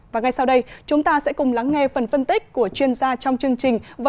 và ngay sau đây chúng ta sẽ cùng lắng nghe phần phân tích của chuyên gia trong chương trình